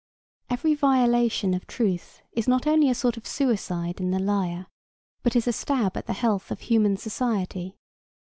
Every violation of truth is not only a sort of suicide in the liar, but is a stab at the health of human society.